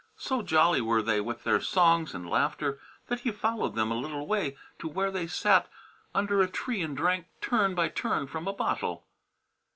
So jolly were they with their songs and laughter that he followed them a little way to where they sat under a tree and drank turn by turn from a bottle.